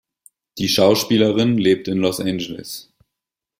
Die Schauspielerin lebt in Los Angeles.